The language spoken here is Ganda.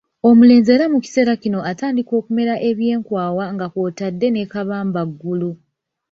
Omulenzi era mu kiseera kino atandika okumera eby'enkwawa nga kw'otadde ne kabamba ggulu.